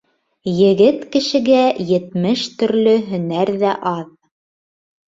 Егет кешегә етмеш төрлө һөнәр ҙә аҙ.